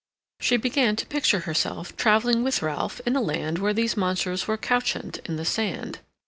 She began to picture herself traveling with Ralph in a land where these monsters were couchant in the sand.